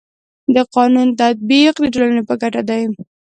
د قانونو تطبیق د ټولني په ګټه دی.